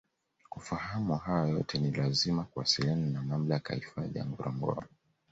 Kufahamu hayo yote ni lazima kuwasiliana na Mamlaka ya Hifadhi ya Ngorongoro